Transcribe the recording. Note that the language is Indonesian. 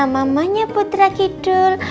mamanya putra kidul